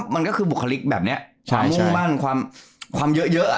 มันก็คือบุคลิกแบบนี้ความมุ่งมั่นความเยอะ